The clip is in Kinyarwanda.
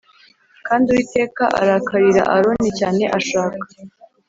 Kandi Uwiteka arakarira Aroni cyane ashaka